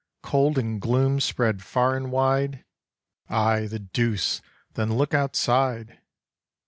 Cold and gloom spread far and wide! Ay, the deuce! then look outside!